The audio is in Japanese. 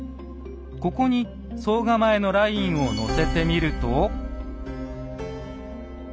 ここに総構のラインをのせてみると。